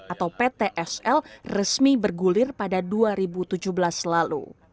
atau ptsl resmi bergulir pada dua ribu tujuh belas lalu